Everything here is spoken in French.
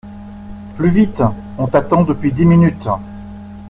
Plus vite! On t’attend depuis dix minutes !